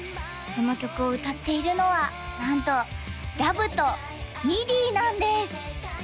その曲を歌っているのはなんとラヴとミディなんです！